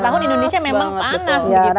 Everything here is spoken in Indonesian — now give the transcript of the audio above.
tahun indonesia memang panas